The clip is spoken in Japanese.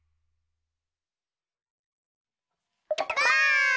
ばあっ！